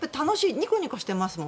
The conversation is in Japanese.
ニコニコしてますもん。